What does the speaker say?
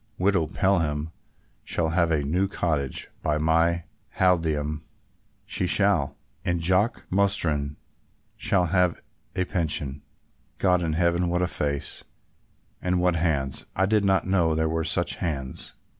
Widow Pelham shall have a new cottage, by my halidame she shall; and Jock Mostyn shall have a pension. God in heaven, what a face, and what hands! I did not know there were such hands."